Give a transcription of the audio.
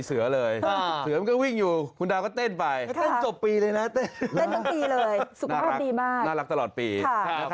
ส่งใส่ตาไปแล้วเท่าที่จังหวาย